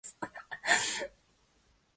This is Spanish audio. Ese año se pasó a Gimnasia de La Plata.